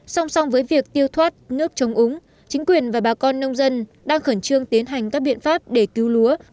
song song với việc tiêu thoát nước chống úng chính quyền và bà con nông dân đang khẩn trương tiến hành các biện pháp để cứu lúa